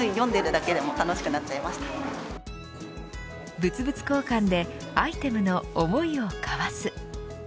物々交換でアイテムの思いを交わす。